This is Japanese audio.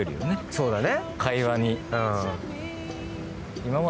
そうだね。